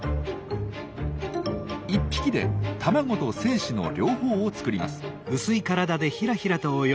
１匹で卵と精子の両方を作ります。